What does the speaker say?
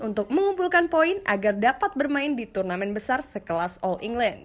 untuk mengumpulkan poin agar dapat bermain di turnamen besar sekelas all england